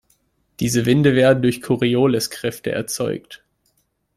Diese Winde werden durch Corioliskräfte erzeugt.